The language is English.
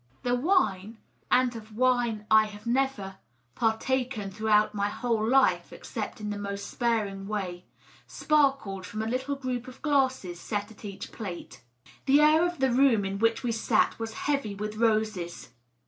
The wine (and of wine I have never par taken throughout my whole life except in the most sparing way) sparkled from a little group of glasses set at each plate. The air of the room in which we sat was heavy with roses.